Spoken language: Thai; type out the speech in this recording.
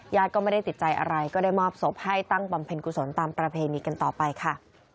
ก็ไม่ได้ติดใจอะไรก็ได้มอบศพให้ตั้งบำเพ็ญกุศลตามประเพณีกันต่อไปค่ะ